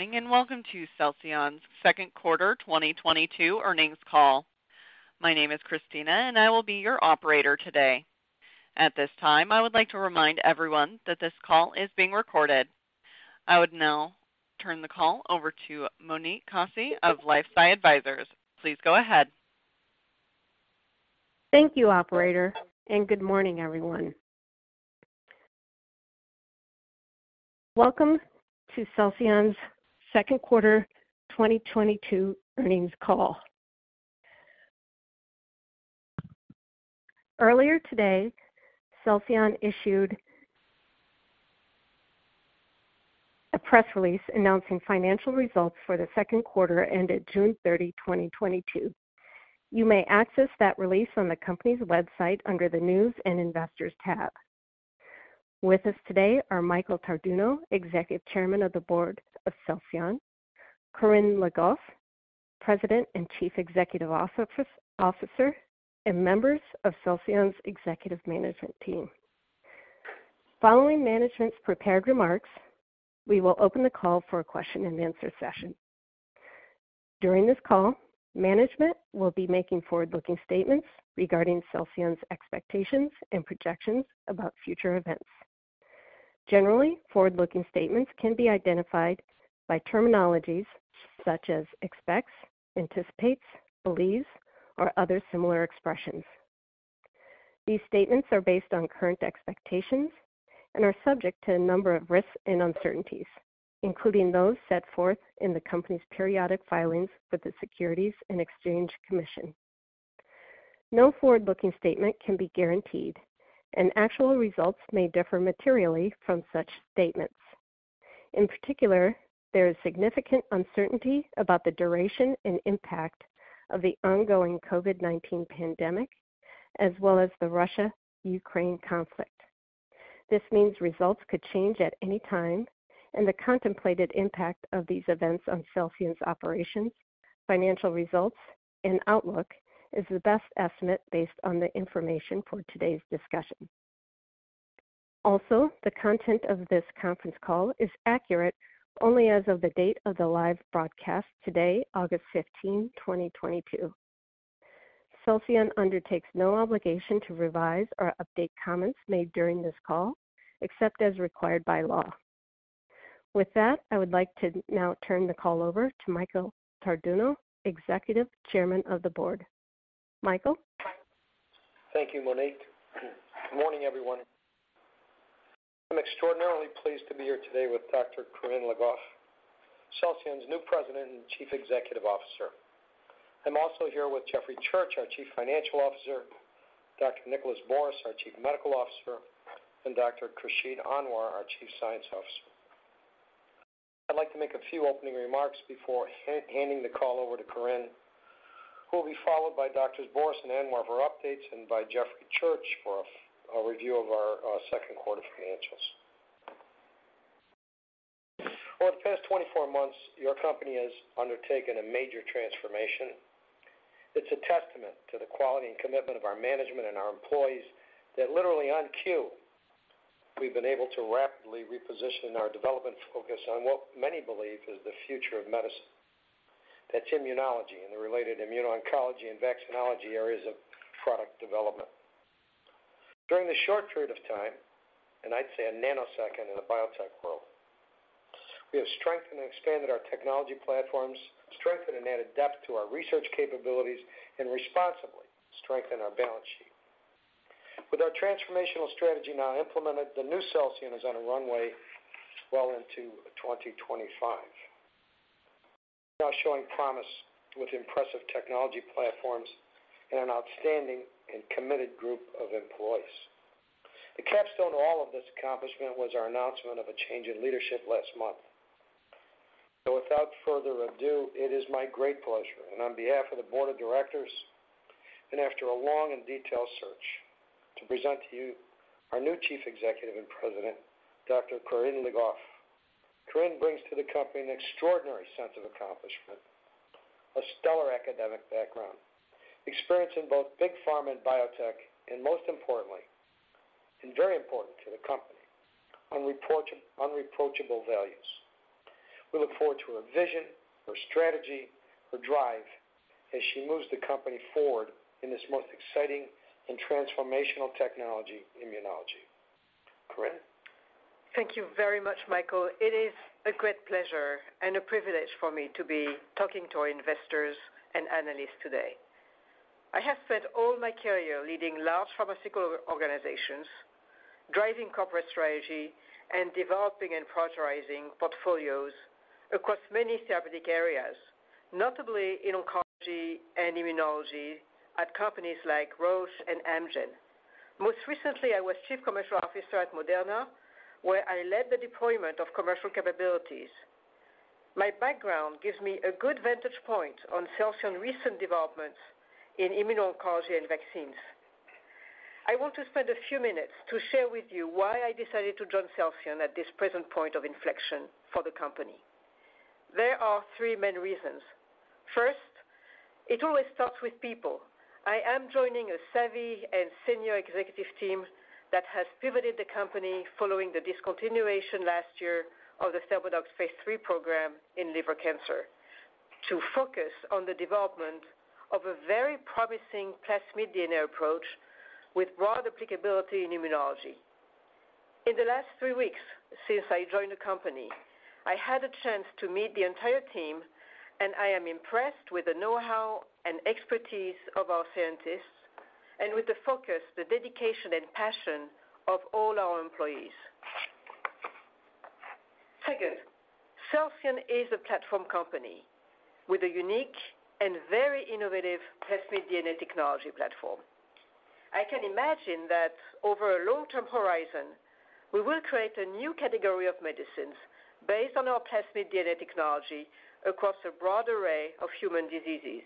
Good morning and welcome to Celsion's second quarter 2022 earnings call. My name is Christina and I will be your operator today. At this time, I would like to remind everyone that this call is being recorded. I would now turn the call over to Monique Kosse of LifeSci Advisors. Please go ahead. Thank you, operator, and good morning, everyone. Welcome to Celsion's second quarter 2022 earnings call. Earlier today, Celsion issued a press release announcing financial results for the second quarter ended June 30, 2022. You may access that release on the company's website under the News and Investors tab. With us today are Michael Tardugno, Executive Chairman of the Board of Celsion, Corinne Le Goff, President and Chief Executive Officer, and members of Celsion's executive management team. Following management's prepared remarks, we will open the call for a question-and-answer session. During this call, management will be making forward-looking statements regarding Celsion's expectations and projections about future events. Generally, forward-looking statements can be identified by terminologies such as expects, anticipates, believes, or other similar expressions. These statements are based on current expectations and are subject to a number of risks and uncertainties, including those set forth in the company's periodic filings with the Securities and Exchange Commission. No forward-looking statement can be guaranteed, and actual results may differ materially from such statements. In particular, there is significant uncertainty about the duration and impact of the ongoing COVID-19 pandemic as well as the Russia-Ukraine conflict. This means results could change at any time, and the contemplated impact of these events on Celsion's operations, financial results, and outlook is the best estimate based on the information for today's discussion. Also, the content of this conference call is accurate only as of the date of the live broadcast today, August 15, 2022. Celsion undertakes no obligation to revise or update comments made during this call, except as required by law. With that, I would like to now turn the call over to Michael Tardugno, Executive Chairman of the Board. Michael? Thank you, Monique. Good morning, everyone. I'm extraordinarily pleased to be here today with Dr. Corinne Le Goff, Celsion's new President and Chief Executive Officer. I'm also here with Jeffrey Church, our Chief Financial Officer, Dr. Nicholas Borys, our Chief Medical Officer, and Dr. Khursheed Anwer, our Chief Science Officer. I'd like to make a few opening remarks before handing the call over to Corinne, who will be followed by Doctors Borys and Anwer for updates and by Jeffrey Church for a review of our second quarter financials. Over the past 24 months, your company has undertaken a major transformation. It's a testament to the quality and commitment of our management and our employees that literally on cue, we've been able to rapidly reposition our development focus on what many believe is the future of medicine. That's immunology and the related immuno-oncology and vaccinology areas of product development. During this short period of time, and I'd say a nanosecond in the biotech world, we have strengthened and expanded our technology platforms, strengthened and added depth to our research capabilities, and responsibly strengthened our balance sheet. With our transformational strategy now implemented, the new Celsion is on a runway well into 2025, now showing promise with impressive technology platforms and an outstanding and committed group of employees. The capstone to all of this accomplishment was our announcement of a change in leadership last month. Without further ado, it is my great pleasure and on behalf of the board of directors and after a long and detailed search, to present to you our new Chief Executive and President, Dr. Corinne Le Goff. Corinne brings to the company an extraordinary sense of accomplishment, a stellar academic background, experience in both big pharma and biotech, and most importantly, and very important to the company, irreproachable values. We look forward to her vision, her strategy, her drive as she moves the company forward in this most exciting and transformational technology, immunology. Corinne? Thank you very much, Michael. It is a great pleasure and a privilege for me to be talking to our investors and analysts today. I have spent all my career leading large pharmaceutical organizations, driving corporate strategy, and developing and prioritizing portfolios across many therapeutic areas, notably in oncology and immunology at companies like Roche and Amgen. Most recently, I was Chief Commercial Officer at Moderna, where I led the deployment of commercial capabilities. My background gives me a good vantage point on Celsion recent developments in immuno-oncology and vaccines. I want to spend a few minutes to share with you why I decided to join Celsion at this present point of inflection for the company. There are three main reasons. First, it always starts with people. I am joining a savvy and senior executive team that has pivoted the company following the discontinuation last year of the ThermoDox Phase III program in liver cancer to focus on the development of a very promising plasmid DNA approach with broad applicability in immunology. In the last three weeks since I joined the company, I had a chance to meet the entire team, and I am impressed with the know-how and expertise of our scientists and with the focus, the dedication, and passion of all our employees. Second, Celsion is a platform company with a unique and very innovative plasmid DNA technology platform. I can imagine that over a long-term horizon, we will create a new category of medicines based on our plasmid DNA technology across a broad array of human diseases.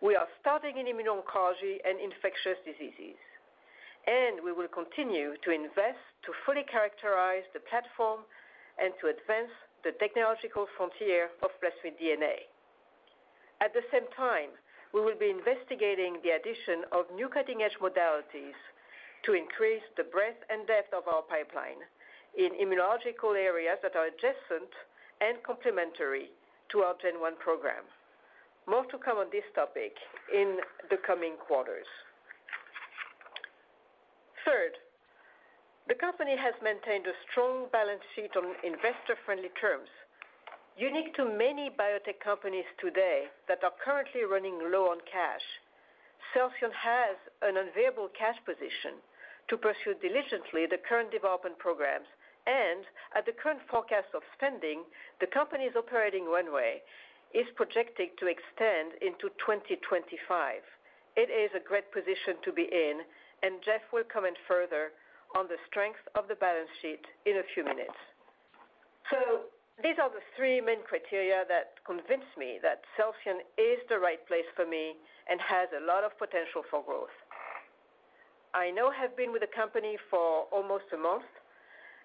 We are starting in immuno-oncology and infectious diseases, and we will continue to invest to fully characterize the platform and to advance the technological frontier of plasmid DNA. At the same time, we will be investigating the addition of new cutting-edge modalities to increase the breadth and depth of our pipeline in immunological areas that are adjacent and complementary to our GEN-1 program. More to come on this topic in the coming quarters. Third, the company has maintained a strong balance sheet on investor-friendly terms. Unique to many biotech companies today that are currently running low on cash, Celsion has an available cash position to pursue diligently the current development programs. At the current forecast of spending, the company's operating runway is projected to extend into 2025. It is a great position to be in, and Jeff will comment further on the strength of the balance sheet in a few minutes. These are the three main criteria that convince me that Celsion is the right place for me and has a lot of potential for growth. I now have been with the company for almost a month,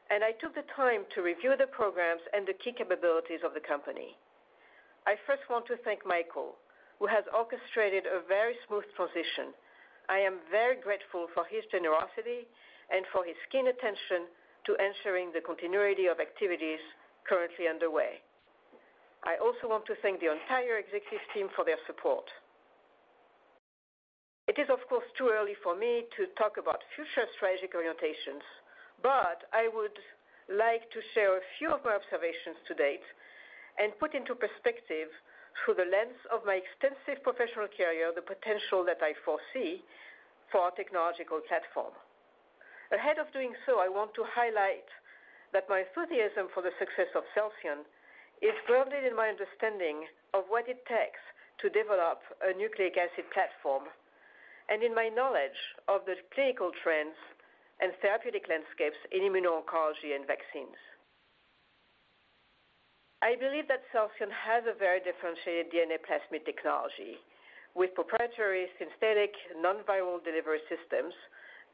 and I took the time to review the programs and the key capabilities of the company. I first want to thank Michael, who has orchestrated a very smooth transition. I am very grateful for his generosity and for his keen attention to ensuring the continuity of activities currently underway. I also want to thank the entire executive team for their support. It is, of course, too early for me to talk about future strategic orientations, but I would like to share a few of my observations to date and put into perspective, through the lens of my extensive professional career, the potential that I foresee for our technological platform. Ahead of doing so, I want to highlight that my enthusiasm for the success of Celsion is grounded in my understanding of what it takes to develop a nucleic acid platform and in my knowledge of the clinical trends and therapeutic landscapes in immuno-oncology and vaccines. I believe that Celsion has a very differentiated DNA plasmid technology with proprietary synthetic non-viral delivery systems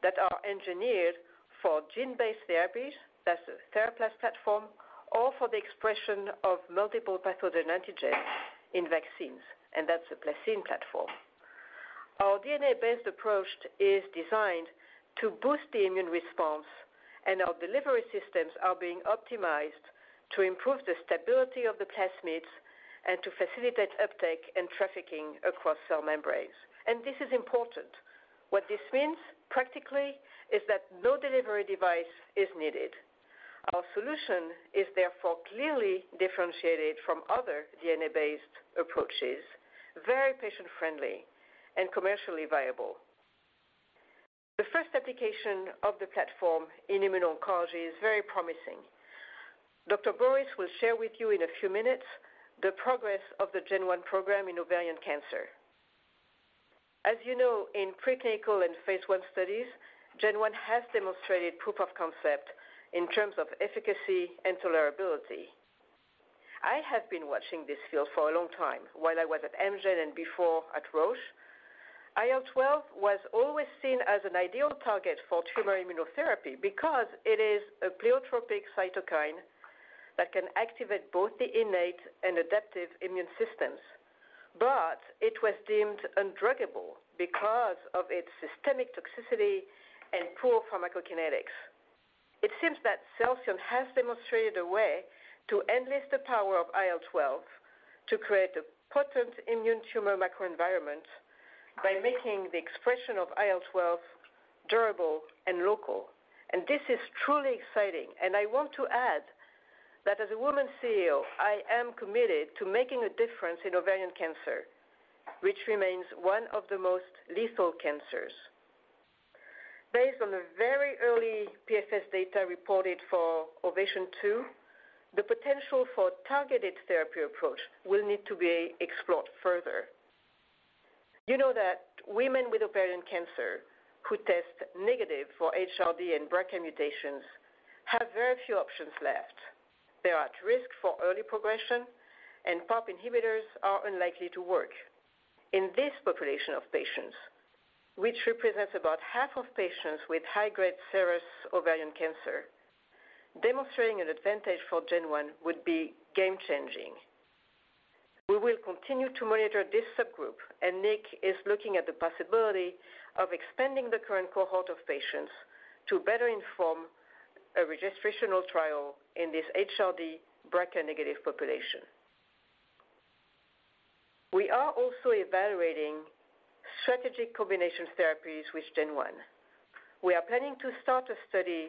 that are engineered for gene-based therapies, that's the TheraPlas platform, or for the expression of multiple pathogen antigens in vaccines, and that's the PlaCCine platform. Our DNA-based approach is designed to boost the immune response, and our delivery systems are being optimized to improve the stability of the plasmids and to facilitate uptake and trafficking across cell membranes. This is important. What this means practically is that no delivery device is needed. Our solution is therefore clearly differentiated from other DNA-based approaches, very patient-friendly and commercially viable. The first application of the platform in immuno-oncology is very promising. Dr. Boris will share with you in a few minutes the progress of the GEN-1 program in ovarian cancer. As you know, in preclinical and phase I studies, GEN-1 has demonstrated proof of concept in terms of efficacy and tolerability. I have been watching this field for a long time while I was at Amgen and before at Roche. IL-12 was always seen as an ideal target for tumor immunotherapy because it is a pleiotropic cytokine that can activate both the innate and adaptive immune systems. It was deemed undruggable because of its systemic toxicity and poor pharmacokinetics. It seems that Celsion has demonstrated a way to enlist the power of IL-12 to create a potent immune tumor microenvironment by making the expression of IL-12 durable and local. This is truly exciting. I want to add that as a woman CEO, I am committed to making a difference in ovarian cancer, which remains one of the most lethal cancers. Based on the very early PFS data reported for OVATION 2, the potential for targeted therapy approach will need to be explored further. You know that women with ovarian cancer who test negative for HRD and BRCA mutations have very few options left. They are at risk for early progression, and PARP inhibitors are unlikely to work. In this population of patients, which represents about half of patients with high-grade serous ovarian cancer. Demonstrating an advantage for GEN-1 would be game-changing. We will continue to monitor this subgroup, and Nick is looking at the possibility of expanding the current cohort of patients to better inform a registrational trial in this HRD BRCA-negative population. We are also evaluating strategic combination therapies with GEN-1. We are planning to start a study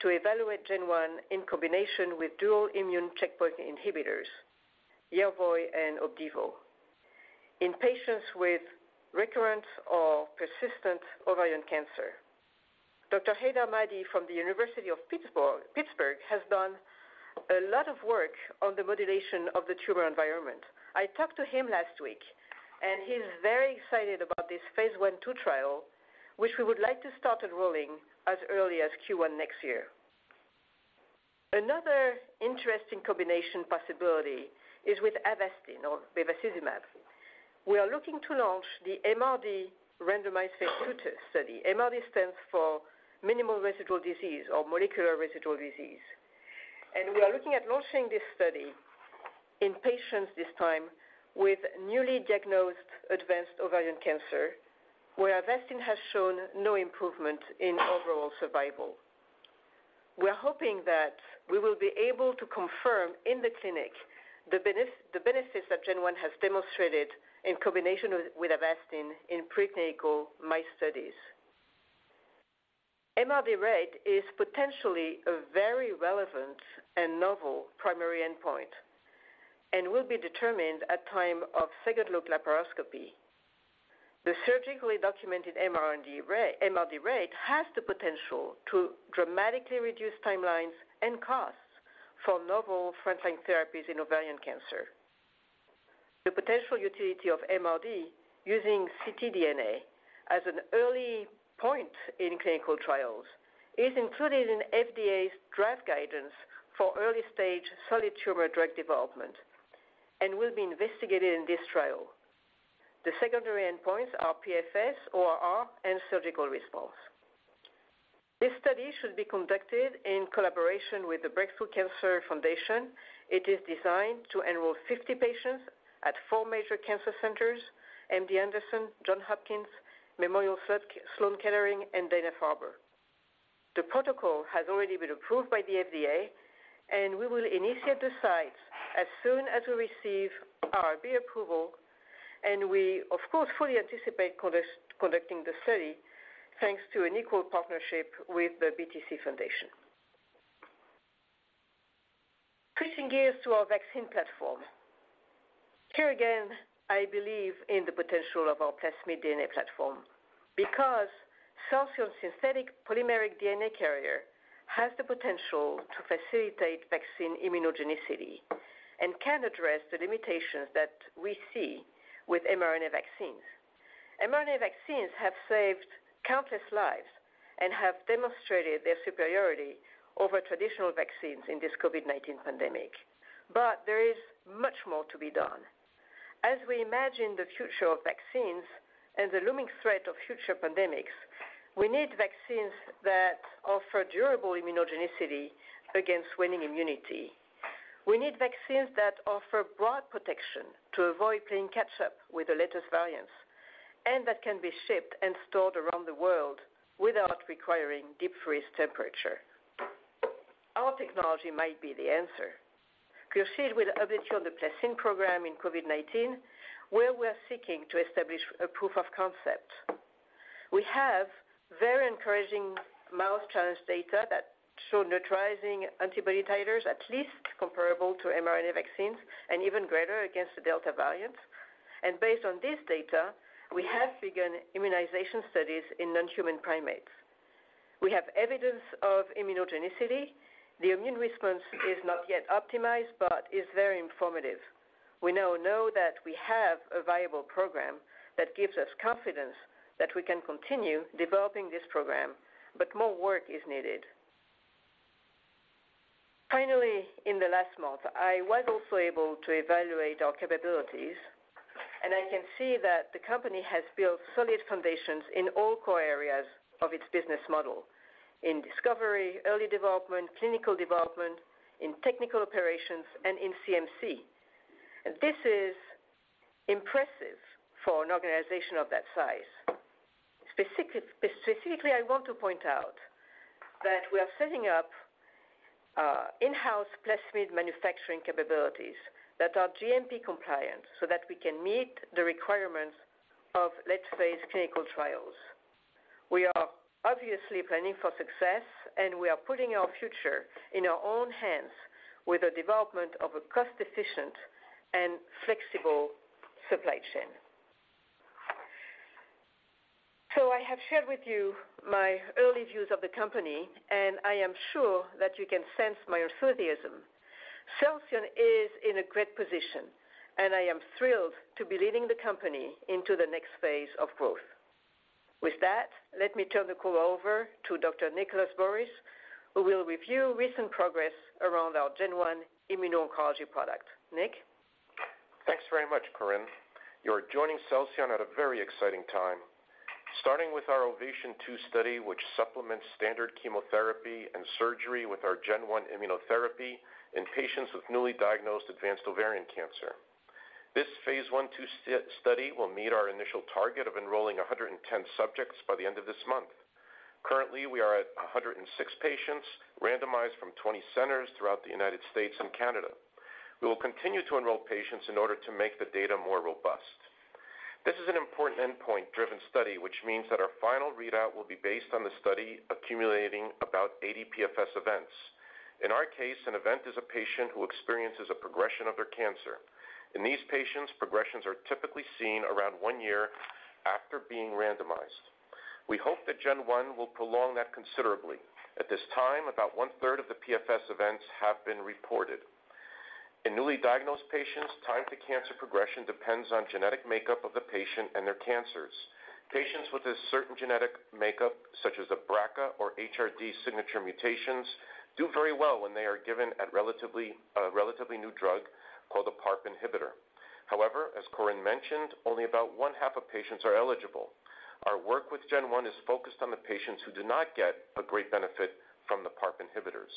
to evaluate GEN-1 in combination with dual immune checkpoint inhibitors, Yervoy and Opdivo, in patients with recurrent or persistent ovarian cancer. Dr. Haider Mahdi from the University of Pittsburgh has done a lot of work on the modulation of the tumor environment. I talked to him last week, and he's very excited about this phase I/II trial, which we would like to start enrolling as early as Q1 next year. Another interesting combination possibility is with Avastin or Bevacizumab. We are looking to launch the MRD randomized phase II study. MRD stands for minimal residual disease or molecular residual disease. We are looking at launching this study in patients this time with newly diagnosed advanced ovarian cancer, where Avastin has shown no improvement in overall survival. We're hoping that we will be able to confirm in the clinic the benefits that GEN-1 has demonstrated in combination with Avastin in preclinical mice studies. MRD rate is potentially a very relevant and novel primary endpoint and will be determined at time of second-look laparoscopy. The surgically documented MRD rate has the potential to dramatically reduce timelines and costs for novel front-line therapies in ovarian cancer. The potential utility of MRD using ctDNA as an early point in clinical trials is included in FDA's draft guidance for early-stage solid tumor drug development and will be investigated in this trial. The secondary endpoints are PFS, ORR, and surgical response. This study should be conducted in collaboration with the Break Through Cancer Foundation. It is designed to enroll 50 patients at four major cancer centers, MD Anderson, Johns Hopkins, Memorial Sloan Kettering, and Dana-Farber. The protocol has already been approved by the FDA, and we will initiate the sites as soon as we receive IRB approval, and we of course fully anticipate conducting the study thanks to an equal partnership with the BTC Foundation. Switching gears to our vaccine platform. Here again, I believe in the potential of our plasmid DNA platform because Celsion's synthetic polymeric DNA carrier has the potential to facilitate vaccine immunogenicity and can address the limitations that we see with mRNA vaccines. mRNA vaccines have saved countless lives and have demonstrated their superiority over traditional vaccines in this COVID-19 pandemic. There is much more to be done. As we imagine the future of vaccines and the looming threat of future pandemics, we need vaccines that offer durable immunogenicity against waning immunity. We need vaccines that offer broad protection to avoid playing catch up with the latest variants, and that can be shipped and stored around the world without requiring deep freeze temperature. Our technology might be the answer. Khursheed will update you on the PlaCCine program in COVID-19, where we are seeking to establish a proof of concept. We have very encouraging mouse challenge data that show neutralizing antibody titers, at least comparable to mRNA vaccines and even greater against the Delta variant. Based on this data, we have begun immunization studies in non-human primates. We have evidence of immunogenicity. The immune response is not yet optimized but is very informative. We now know that we have a viable program that gives us confidence that we can continue developing this program, but more work is needed. Finally, in the last month, I was also able to evaluate our capabilities, and I can see that the company has built solid foundations in all core areas of its business model, in discovery, early development, clinical development, in technical operations, and in CMC. This is impressive for an organization of that size. Specifically, I want to point out that we are setting up in-house plasmid manufacturing capabilities that are GMP compliant so that we can meet the requirements of late-phase clinical trials. We are obviously planning for success, and we are putting our future in our own hands with the development of a cost-efficient and flexible supply chain. I have shared with you my early views of the company, and I am sure that you can sense my enthusiasm. Celsion is in a great position, and I am thrilled to be leading the company into the next phase of growth. With that, let me turn the call over to Dr. Nicholas Borys, who will review recent progress around our GEN-1 immuno-oncology product. Nick? Thanks very much, Corinne. You're joining Celsion at a very exciting time. Starting with our OVATION 2 Study, which supplements standard chemotherapy and surgery with our GEN-1 immunotherapy in patients with newly diagnosed advanced ovarian cancer. This phase I/II study will meet our initial target of enrolling 110 subjects by the end of this month. Currently, we are at 106 patients randomized from 20 centers throughout the United States and Canada. We will continue to enroll patients in order to make the data more robust. This is an important endpoint driven study, which means that our final readout will be based on the study accumulating about 80 PFS events. In our case, an event is a patient who experiences a progression of their cancer. In these patients, progressions are typically seen around one year after being randomized. We hope that GEN-1 will prolong that considerably. At this time, about one-third of the PFS events have been reported. In newly diagnosed patients, time to cancer progression depends on genetic makeup of the patient and their cancers. Patients with a certain genetic makeup, such as a BRCA or HRD signature mutations, do very well when they are given a relatively new drug called a PARP inhibitor. However, as Corinne mentioned, only about one-half of patients are eligible. Our work with GEN-1 is focused on the patients who do not get a great benefit from the PARP inhibitors.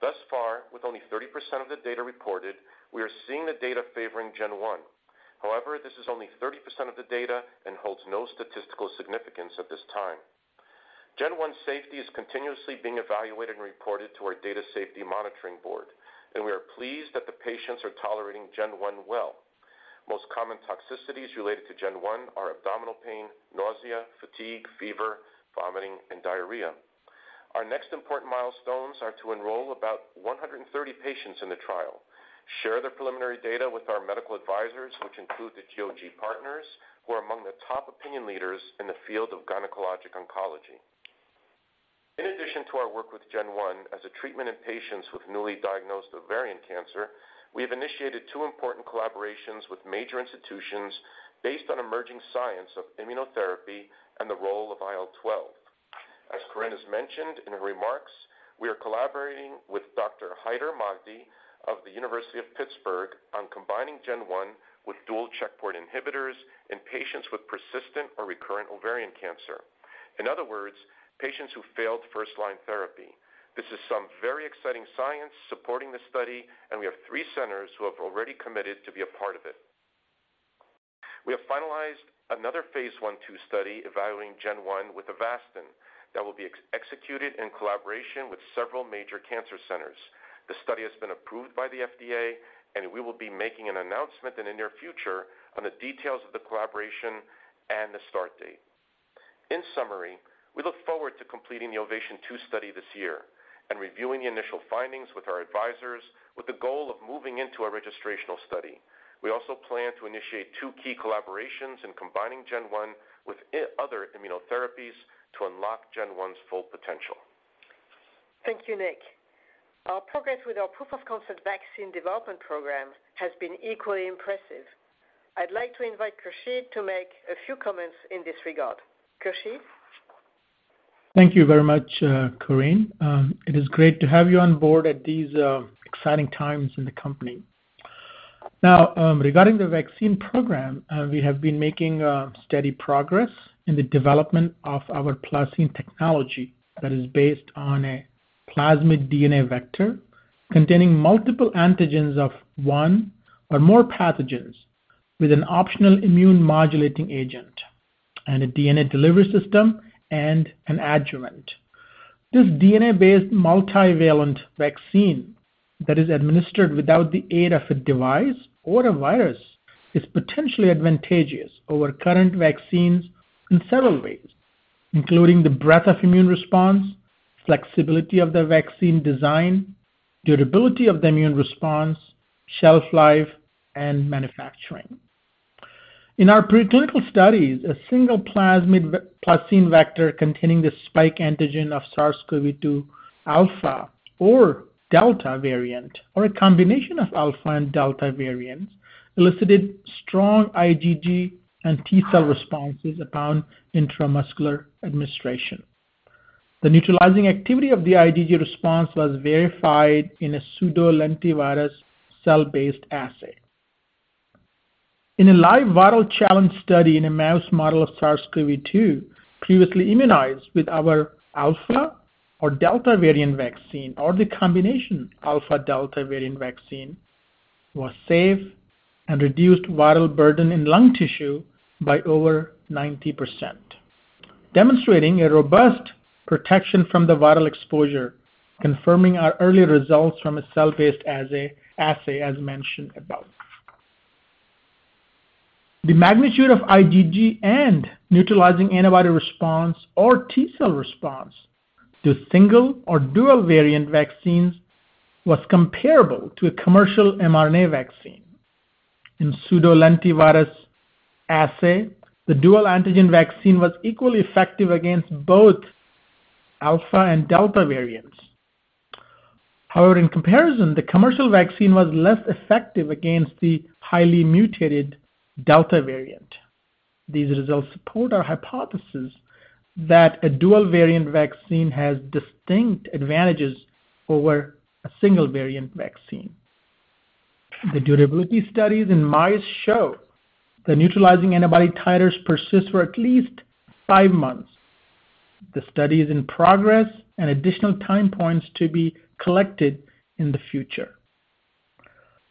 Thus far, with only 30% of the data reported, we are seeing the data favoring GEN-1. However, this is only 30% of the data and holds no statistical significance at this time. GEN-1 safety is continuously being evaluated and reported to our data safety monitoring board, and we are pleased that the patients are tolerating GEN-1 well. Most common toxicities related to GEN-1 are abdominal pain, nausea, fatigue, fever, vomiting, and diarrhea. Our next important milestones are to enroll about 130 patients in the trial, share the preliminary data with our medical advisors, which include the GOG Partners, who are among the top opinion leaders in the field of gynecologic oncology. In addition to our work with GEN-1 as a treatment in patients with newly diagnosed ovarian cancer, we have initiated two important collaborations with major institutions based on emerging science of immunotherapy and the role of IL-12. As Corinne has mentioned in her remarks, we are collaborating with Dr. Haider Mahdi of the University of Pittsburgh on combining GEN-1 with dual checkpoint inhibitors in patients with persistent or recurrent ovarian cancer. In other words, patients who failed first-line therapy. This is some very exciting science supporting the study and we have three centers who have already committed to be a part of it. We have finalized another phase I/II study evaluating GEN-1 with Avastin that will be executed in collaboration with several major cancer centers. The study has been approved by the FDA, and we will be making an announcement in the near future on the details of the collaboration and the start date. In summary, we look forward to completing the OVATION 2 Study this year and reviewing the initial findings with our advisors with the goal of moving into a registrational study. We also plan to initiate two key collaborations in combining GEN-1 with IO immunotherapies to unlock GEN-1's full potential. Thank you, Nicholas. Our progress with our proof of concept vaccine development program has been equally impressive. I'd like to invite Khursheed to make a few comments in this regard. Khursheed. Thank you very much, Corinne. It is great to have you on board at these exciting times in the company. Now, regarding the vaccine program, we have been making steady progress in the development of our PlaCCine technology that is based on a plasmid DNA vector containing multiple antigens of one or more pathogens with an optional immune modulating agent and a DNA delivery system and an adjuvant. This DNA-based multivalent vaccine that is administered without the aid of a device or a virus is potentially advantageous over current vaccines in several ways, including the breadth of immune response, flexibility of the vaccine design, durability of the immune response, shelf life, and manufacturing. In our preclinical studies, a single plasmid PlaCCine vector containing the spike antigen of SARS-CoV-2 Alpha or Delta variant, or a combination of Alpha and Delta variants, elicited strong IgG and T-cell responses upon intramuscular administration. The neutralizing activity of the IgG response was verified in a pseudolentivirus cell-based assay. In a live viral challenge study in a mouse model of SARS-CoV-2 previously immunized with our Alpha or Delta variant vaccine or the combination Alpha Delta variant vaccine was safe and reduced viral burden in lung tissue by over 90%, demonstrating a robust protection from the viral exposure, confirming our earlier results from a cell-based assay as mentioned above. The magnitude of IgG and neutralizing antibody response or T-cell response to single or dual variant vaccines was comparable to a commercial mRNA vaccine. In pseudolentivirus assay, the dual antigen vaccine was equally effective against both Alpha and Delta variants. However, in comparison, the commercial vaccine was less effective against the highly mutated Delta variant. These results support our hypothesis that a dual variant vaccine has distinct advantages over a single variant vaccine. The durability studies in mice show the neutralizing antibody titers persist for at least five months. The study is in progress and additional time points to be collected in the future.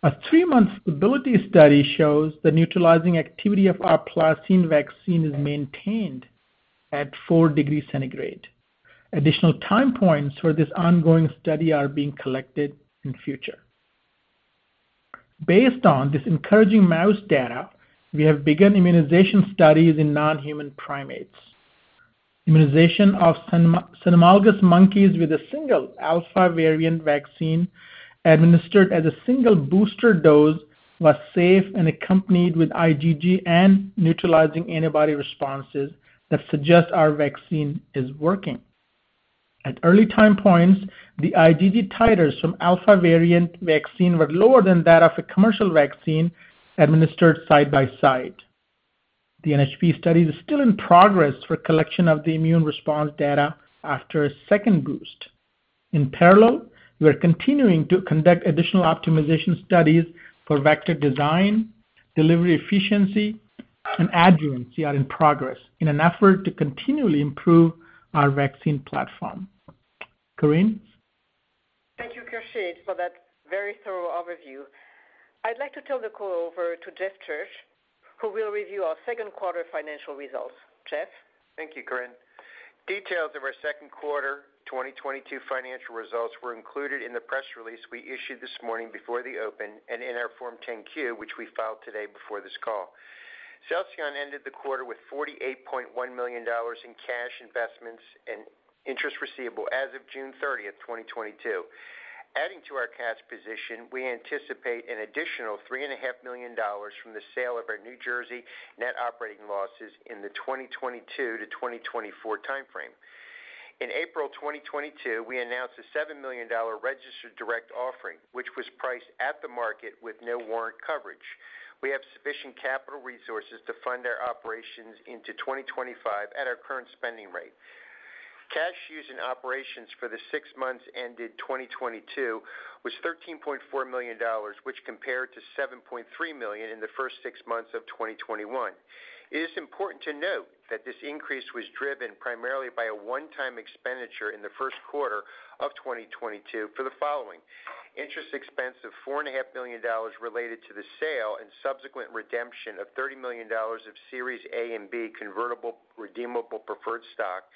A three-month stability study shows the neutralizing activity of our PlaCCine vaccine is maintained at 4 degrees centigrade. Additional time points for this ongoing study are being collected in future. Based on this encouraging mouse data, we have begun immunization studies in non-human primates. Immunization of cynomolgus monkeys with a single Alpha variant vaccine administered as a single booster dose was safe and accompanied with IgG and neutralizing antibody responses that suggest our vaccine is working. At early time points, the IgG titers from Alpha variant vaccine were lower than that of a commercial vaccine administered side by side. The NHP study is still in progress for collection of the immune response data after a second boost. In parallel, we are continuing to conduct additional optimization studies for vector design, delivery efficiency, and adjuvants are in progress in an effort to continually improve our vaccine platform. Corinne? Thank you, Khursheed, for that very thorough overview. I'd like to turn the call over to Jeff Church, who will review our second quarter financial results. Jeff? Thank you, Corinne. Details of our second quarter 2022 financial results were included in the press release we issued this morning before the open and in our Form 10-Q, which we filed today before this call. Celsion ended the quarter with $48.1 million in cash investments and interest receivable as of June 30, 2022. Adding to our cash position, we anticipate an additional $3.5 million from the sale of our New Jersey net operating losses in the 2022-2024 time frame. In April 2022, we announced a $7 million registered direct offering, which was priced at the market with no warrant coverage. We have sufficient capital resources to fund our operations into 2025 at our current spending rate. Cash used in operations for the six months ended 2022 was $13.4 million, which compared to $7.3 million in the first six months of 2021. It is important to note that this increase was driven primarily by a one-time expenditure in the first quarter of 2022 for the following, interest expense of $4.5 Million related to the sale and subsequent redemption of $30 million of Series A and B convertible redeemable preferred stock,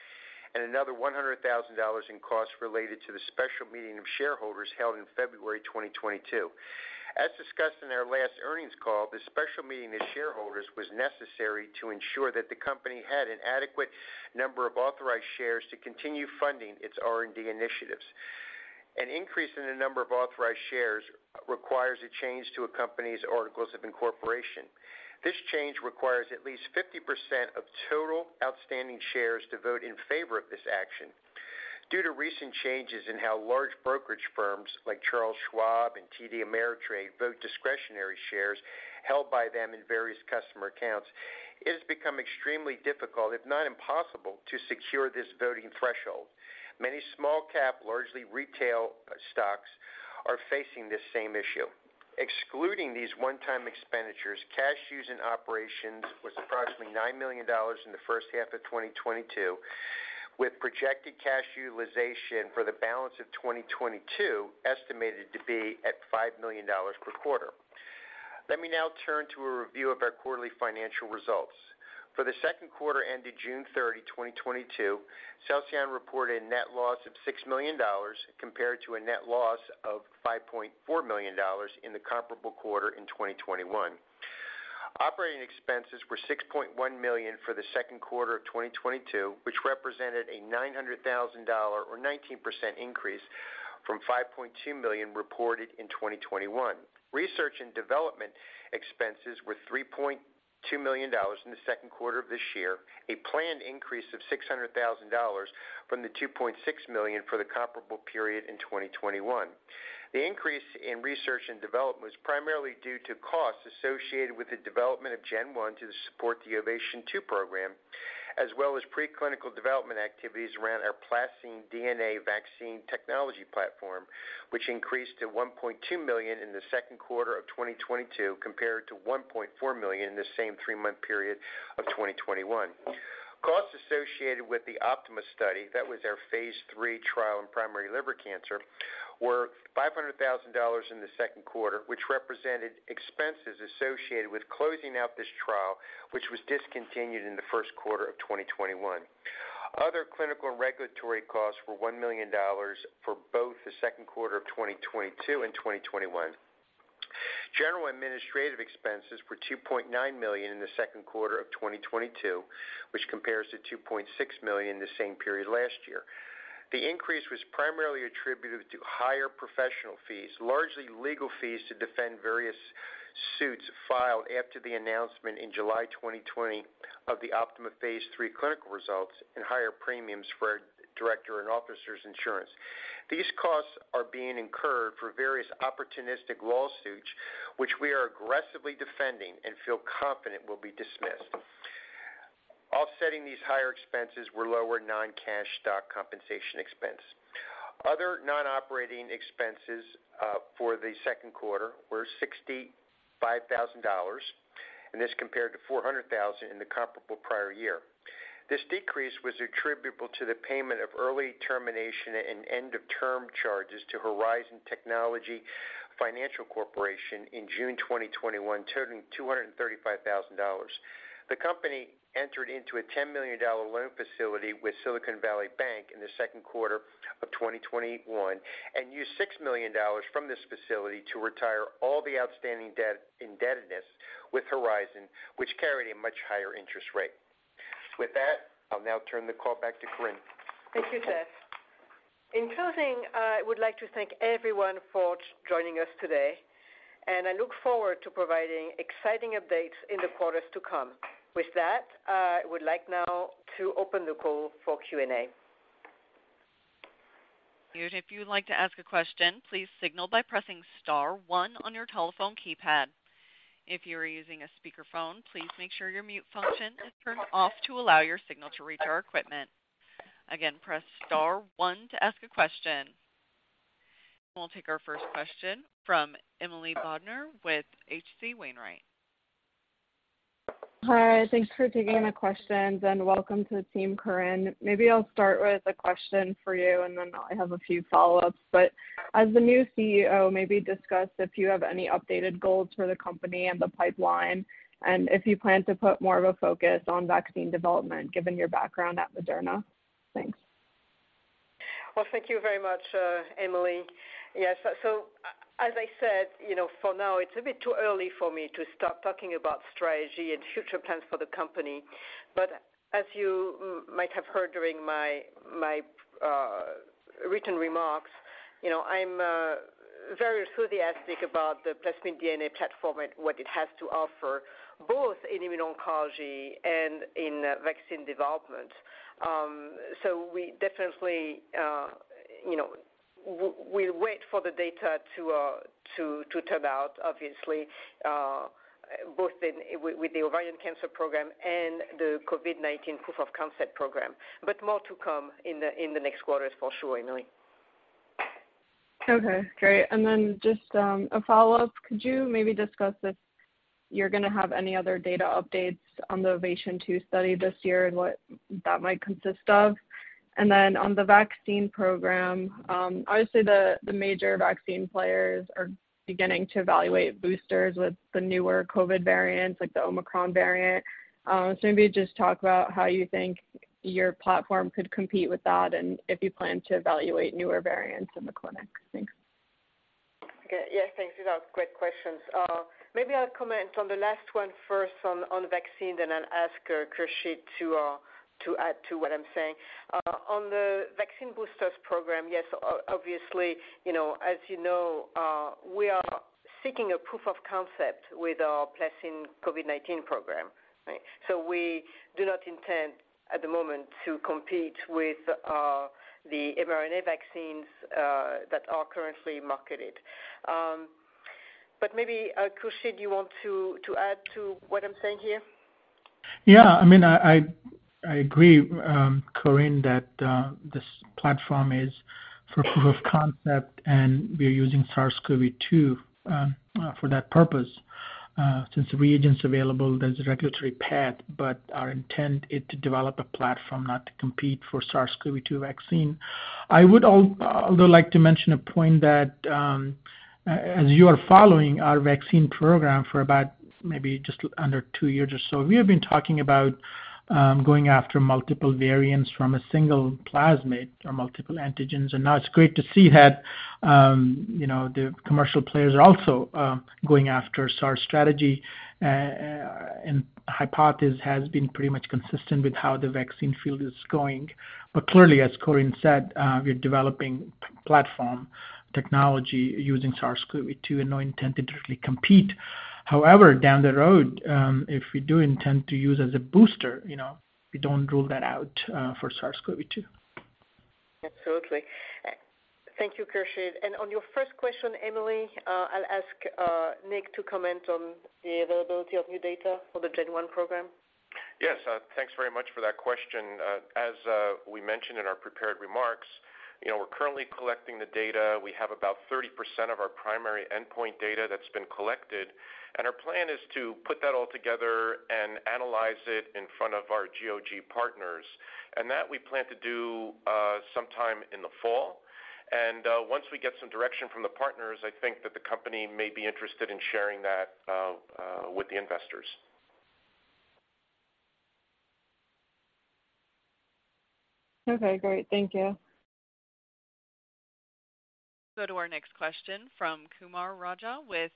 and another $100,000 in costs related to the special meeting of shareholders held in February 2022. As discussed in our last earnings call, the special meeting of shareholders was necessary to ensure that the company had an adequate number of authorized shares to continue funding its R&D initiatives. An increase in the number of authorized shares requires a change to a company's articles of incorporation. This change requires at least 50% of total outstanding shares to vote in favor of this action. Due to recent changes in how large brokerage firms like Charles Schwab and TD Ameritrade vote discretionary shares held by them in various customer accounts, it has become extremely difficult, if not impossible, to secure this voting threshold. Many small cap, largely retail stocks are facing this same issue. Excluding these one-time expenditures, cash used in operations was approximately $9 million in the first half of 2022, with projected cash utilization for the balance of 2022 estimated to be at $5 million per quarter. Let me now turn to a review of our quarterly financial results. For the second quarter ended June 30, 2022, Celsion reported a net loss of $6 million compared to a net loss of $5.4 million in the comparable quarter in 2021. Operating expenses were $6.1 million for the second quarter of 2022, which represented a $900,000 or 19% increase from $5.2 million reported in 2021. Research and development expenses were $3.2 million in the second quarter of this year, a planned increase of $600,000 from the $2.6 million for the comparable period in 2021. The increase in research and development was primarily due to costs associated with the development of GEN-1 to support the OVATION 2 Program, as well as pre-clinical development activities around our PlaCCine DNA vaccine technology platform, which increased to $1.2 million in the second quarter of 2022 compared to $1.4 million in the same three-month period of 2021. Costs associated with the OPTIMA study, that was our phase III trial in primary liver cancer, were $500,000 in the second quarter, which represented expenses associated with closing out this trial, which was discontinued in the first quarter of 2021. Other clinical and regulatory costs were $1 million for both the second quarter of 2022 and 2021. General and administrative expenses were $2.9 million in the second quarter of 2022, which compares to $2.6 million in the same period last year. The increase was primarily attributed to higher professional fees, largely legal fees to defend various suits filed after the announcement in July 2020 of the OPTIMA phase III clinical results and higher premiums for director and officers insurance. These costs are being incurred for various opportunistic lawsuits, which we are aggressively defending and feel confident will be dismissed. Offsetting these higher expenses were lower non-cash stock compensation expense. Other non-operating expenses for the second quarter were $65,000, and this compared to $400,000 in the comparable prior year. This decrease was attributable to the payment of early termination and end of term charges to Horizon Technology Finance Corporation in June 2021, totaling $235,000. The company entered into a $10 million loan facility with Silicon Valley Bank in the second quarter of 2021 and used $6 million from this facility to retire all the outstanding debt indebtedness with Horizon, which carried a much higher interest rate. With that, I'll now turn the call back to Corinne. Thank you, Jeff. In closing, I would like to thank everyone for joining us today, and I look forward to providing exciting updates in the quarters to come. With that, I would like now to open the call for Q&A. If you'd like to ask a question, please signal by pressing star one on your telephone keypad. If you are using a speakerphone, please make sure your mute function is turned off to allow your signal to reach our equipment. Again, press star one to ask a question. We'll take our first question from Emily Bodnar with H.C. Wainwright. Hi, thanks for taking the questions and welcome to the team, Corinne. Maybe I'll start with a question for you, and then I have a few follow-ups. As the new CEO, maybe discuss if you have any updated goals for the company and the pipeline, and if you plan to put more of a focus on vaccine development, given your background at Moderna. Thanks. Well, thank you very much, Emily. Yes. As I said, you know, for now, it's a bit too early for me to start talking about strategy and future plans for the company. As you might have heard during my written remarks, you know, I'm very enthusiastic about the plasmid DNA platform and what it has to offer, both in immuno-oncology and in vaccine development. We definitely, you know, we'll wait for the data to turn out, obviously, both with the ovarian cancer program and the COVID-19 proof of concept program. More to come in the next quarters for sure, Emily. Okay, great. Just a follow-up. Could you maybe discuss if you're gonna have any other data updates on the OVATION 2 Study this year and what that might consist of? On the vaccine program, obviously the major vaccine players are beginning to evaluate boosters with the newer COVID variants like the Omicron variant. Maybe just talk about how you think your platform could compete with that and if you plan to evaluate newer variants in the clinic. Thanks. Okay. Yes, thanks. These are great questions. Maybe I'll comment on the last one first on the vaccine, then I'll ask Khursheed to add to what I'm saying. On the vaccine boosters program, yes, obviously, you know, as you know, we are seeking a proof of concept with our plasmid COVID-19 program, right? So we do not intend at the moment to compete with the mRNA vaccines that are currently marketed. Maybe Khursheed, you want to add to what I'm saying here? Yeah. I mean, I agree, Corinne, that this platform is for proof of concept, and we are using SARS-CoV-2 for that purpose, since the reagents available, there's a regulatory path, but our intent is to develop a platform not to compete for SARS-CoV-2 vaccine. I would also like to mention a point that as you are following our vaccine program for about maybe just under two years or so, we have been talking about going after multiple variants from a single plasmid or multiple antigens. Now it's great to see that, you know, the commercial players are also going after. Our strategy and hypothesis has been pretty much consistent with how the vaccine field is going. Clearly, as Corinne said, we are developing platform technology using SARS-CoV-2 and no intent to directly compete. However, down the road, if we do intend to use as a booster, you know, we don't rule that out, for SARS-CoV-2. Absolutely. Thank you, Khursheed. On your first question, Emily, I'll ask Nick to comment on the availability of new data for the GEN-1 program. Yes. Thanks very much for that question. As we mentioned in our prepared remarks, you know, we're currently collecting the data. We have about 30% of our primary endpoint data that's been collected, and our plan is to put that all together and analyze it in front of our GOG Partners. That we plan to do sometime in the fall. Once we get some direction from the partners, I think that the company may be interested in sharing that with the investors. Okay, great. Thank you. Go to our next question from Kumar Raja with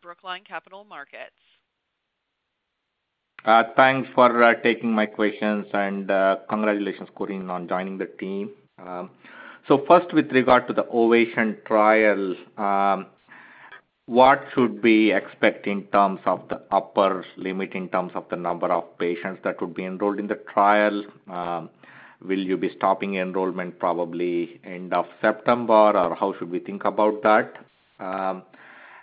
Brookline Capital Markets. Thanks for taking my questions, and congratulations, Corinne, on joining the team. First, with regard to the OVATION trial, what should we expect in terms of the upper limit in terms of the number of patients that would be enrolled in the trial? Will you be stopping enrollment probably end of September, or how should we think about that?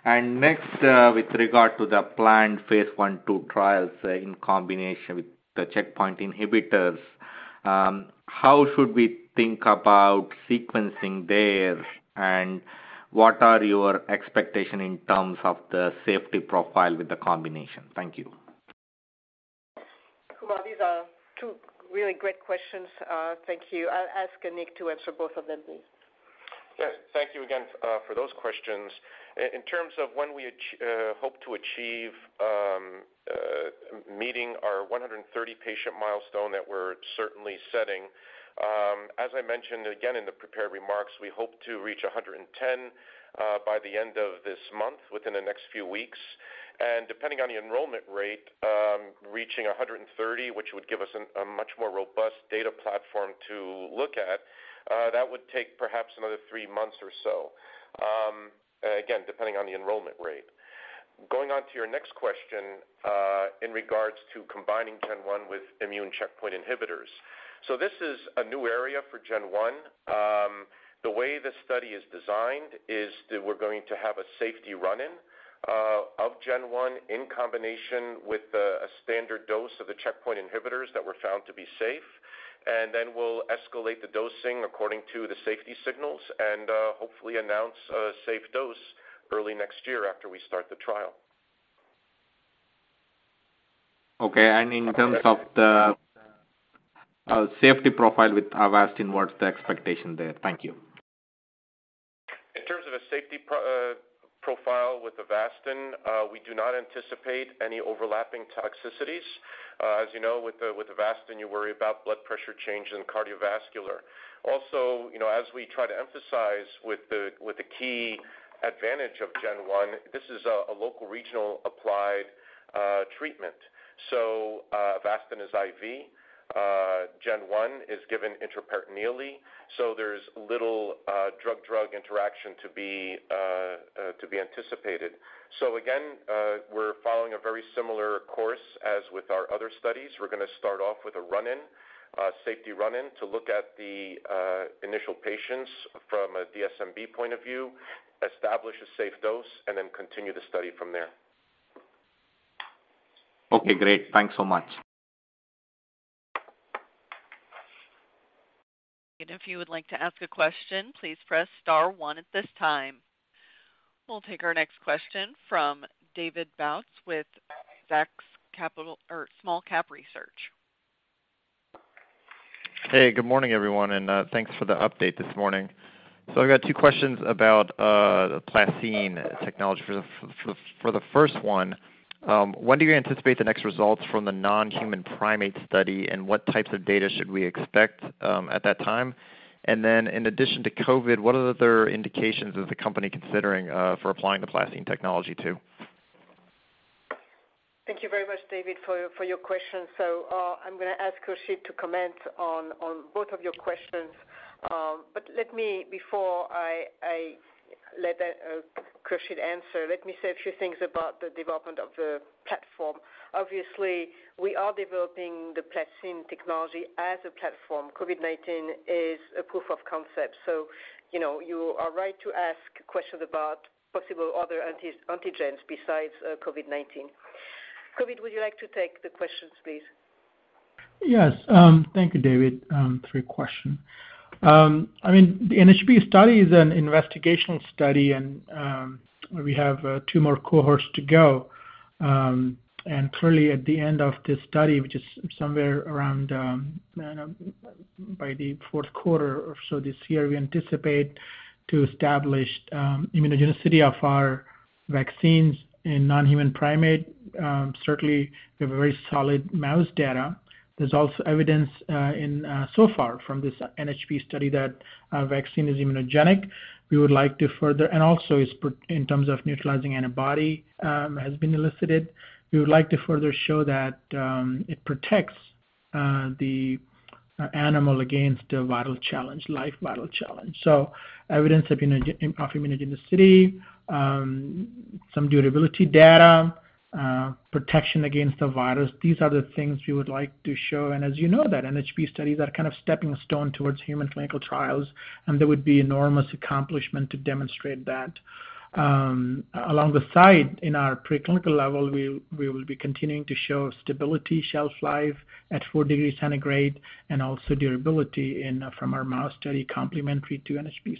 Next, with regard to the planned phase I/II trials in combination with the checkpoint inhibitors, how should we think about sequencing there, and what are your expectation in terms of the safety profile with the combination? Thank you. These are two really great questions. Thank you. I'll ask Nick to answer both of them, please. Yes. Thank you again for those questions. In terms of when we hope to achieve meeting our 130 patient milestone that we're certainly setting, as I mentioned again in the prepared remarks, we hope to reach 110 by the end of this month, within the next few weeks. Depending on the enrollment rate, reaching 130, which would give us a much more robust data platform to look at, that would take perhaps another three months or so. Again, depending on the enrollment rate. Going on to your next question, in regards to combining GEN-1 with immune checkpoint inhibitors. So this is a new area for GEN-1. The way the study is designed is that we're going to have a safety run-in of GEN-1 in combination with a standard dose of the checkpoint inhibitors that were found to be safe. Then we'll escalate the dosing according to the safety signals and hopefully announce a safe dose early next year after we start the trial. Okay. In terms of the safety profile with Avastin, what's the expectation there? Thank you. In terms of a safety profile with Avastin, we do not anticipate any overlapping toxicities. As you know, with Avastin, you worry about blood pressure change and cardiovascular. Also, you know, as we try to emphasize with the key advantage of GEN-1, this is a local regional applied treatment. So, Avastin is IV, GEN-1 is given intraperitoneally, so there's little drug-drug interaction to be anticipated. So again, we're following a very similar course as with our other studies. We're gonna start off with a run-in safety run-in to look at the initial patients from a DSMB point of view, establish a safe dose, and then continue the study from there. Okay, great. Thanks so much. If you would like to ask a question, please press star one at this time. We'll take our next question from David Bautz with Zacks Small Cap Research. Hey, good morning, everyone, and thanks for the update this morning. I've got two questions about the PlaCCine technology. For the first one, when do you anticipate the next results from the non-human primate study, and what types of data should we expect at that time? In addition to COVID, what other indications is the company considering for applying the PlaCCine technology to? Thank you very much, David, for your question. I'm gonna ask Khurshid to comment on both of your questions. Let me, before I let Khurshid answer, say a few things about the development of the platform. Obviously, we are developing the PlaCCine technology as a platform. COVID-19 is a proof of concept. You know, you are right to ask questions about possible other antigens besides COVID-19. Khurshid, would you like to take the questions, please? Yes. Thank you, David, for your question. I mean, the NHP study is an investigational study and we have two more cohorts to go. Clearly at the end of this study, which is somewhere around by the fourth quarter or so this year, we anticipate to establish immunogenicity of our vaccines in non-human primate. Certainly, we have a very solid mouse data. There's also evidence in so far from this NHP study that our vaccine is immunogenic. In terms of neutralizing antibody has been elicited. We would like to further show that it protects the animal against a viral challenge, live viral challenge. Evidence of immunogenicity, some durability data, protection against the virus. These are the things we would like to show. As you know that NHP studies are kind of stepping stone towards human clinical trials, and there would be enormous accomplishment to demonstrate that. Along the side, in our preclinical level, we will be continuing to show stability, shelf life at four degrees centigrade and also durability in from our mouse study, complementary to NHP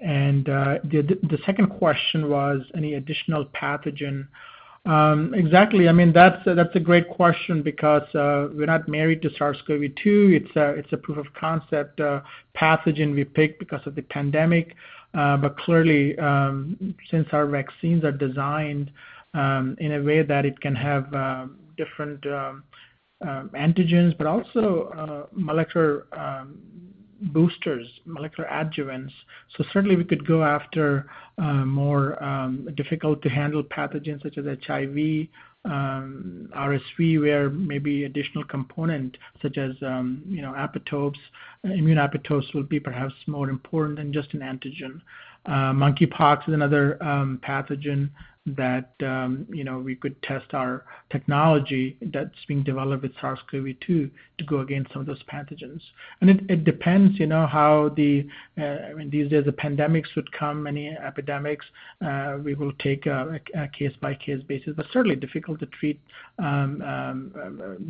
study. The second question was any additional pathogen. Exactly. I mean, that's a great question because we're not married to SARS-CoV-2. It's a proof of concept pathogen we picked because of the pandemic. But clearly, since our vaccines are designed in a way that it can have different antigens, but also molecular boosters, molecular adjuvants. Certainly we could go after more difficult to handle pathogens such as HIV, RSV, where maybe additional components such as, you know, apoptosis, immune apoptosis will be perhaps more important than just an antigen. Monkeypox is another pathogen that, you know, we could test our technology that's being developed with SARS-CoV-2 to go against some of those pathogens. It depends, you know, how the, I mean, these days the pandemics would come, many epidemics, we will take a case-by-case basis. Certainly difficult to treat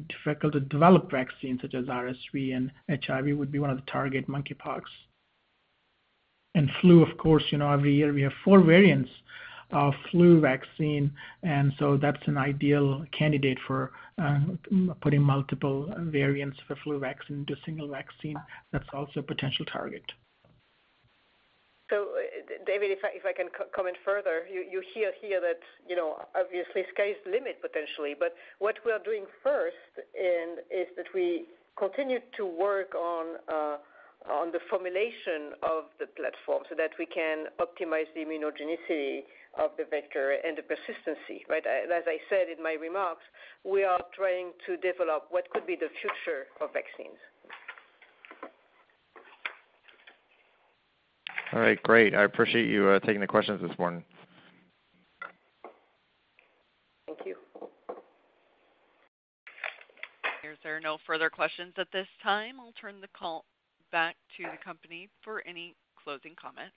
difficult to develop vaccines such as RSV and HIV would be one of the targets, monkeypox. Flu of course, you know, every year we have four variants of flu vaccine, and so that's an ideal candidate for putting multiple variants for flu vaccine into a single vaccine. That's also a potential target. David, if I can comment further. You hear here that, you know, obviously sky's the limit potentially. What we are doing first and is that we continue to work on the formulation of the platform so that we can optimize the immunogenicity of the vector and the persistence, right? As I said in my remarks, we are trying to develop what could be the future of vaccines. All right, great. I appreciate you taking the questions this morning. If there are no further questions at this time, I'll turn the call back to the company for any closing comments.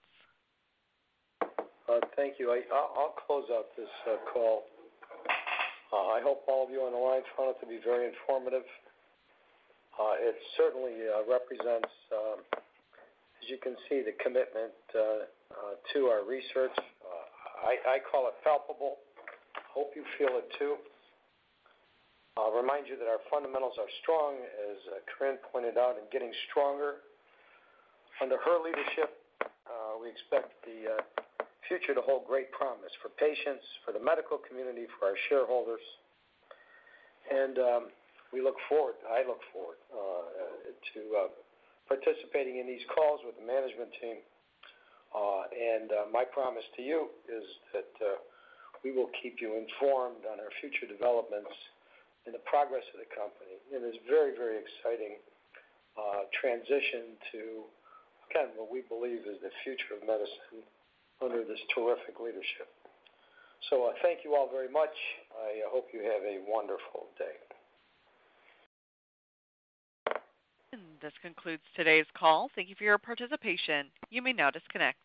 Thank you. I'll close out this call. I hope all of you on the line found it to be very informative. It certainly represents, as you can see, the commitment to our research. I call it palpable. Hope you feel it too. I'll remind you that our fundamentals are strong, as Corinne pointed out, and getting stronger. Under her leadership, we expect the future to hold great promise for patients, for the medical community, for our shareholders. We look forward, I look forward to participating in these calls with the management team. My promise to you is that we will keep you informed on our future developments and the progress of the company in this very, very exciting transition to kind of what we believe is the future of medicine under this terrific leadership. I thank you all very much. I hope you have a wonderful day. This concludes today's call. Thank you for your participation. You may now disconnect.